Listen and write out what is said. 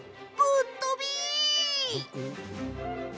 ぶっとび！